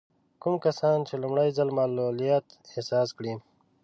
کوم کسان چې لومړی ځل معلوليت احساس کړي.